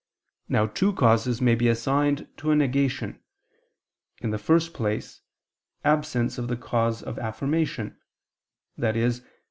Now two causes may be assigned to a negation: in the first place, absence of the cause of affirmation; i.e.